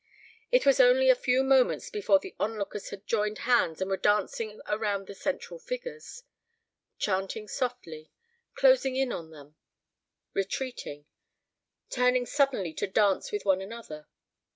It was only a few moments before the onlookers had joined hands and were dancing around the central figures; chanting softly; closing in on them; retreating; turning suddenly to dance with one another